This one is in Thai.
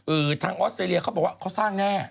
ทางออสเตรเลียเขาบอกว่าเขาสร้างแน่